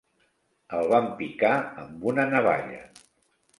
El van picar amb una navalla.